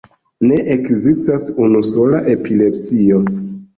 Ne ekzistas unusola epilepsio.